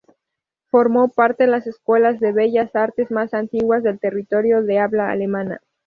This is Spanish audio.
Formó parte las Escuelas de Bellas Artes más antiguas del territorio del habla alemana.